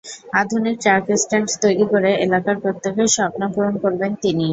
আধুনিক truck stand তৈরি করে এলাকার প্রত্যেকের স্বপ্ন পূরণ করবেন তিনি।